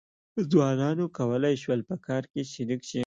ځوانانو کولای شول په کار کې شریک شي.